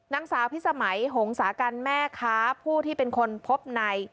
นางสาวพิสมัยหงษากันแม่ค้าผู้ที่เป็นคนพบใน